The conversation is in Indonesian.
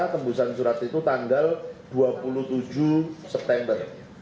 tembusan surat itu tanggal dua puluh tujuh september